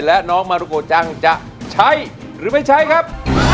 และน้องจะใช้หรือไม่ใช้ครับ